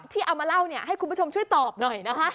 ที่เอามาเล่าเนี่ยให้คุณผู้ชมช่วยตอบหน่อยนะคะ